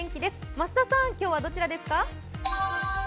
増田さん、今日はどちらですか？